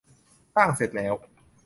สร้างเสร็จแล้ว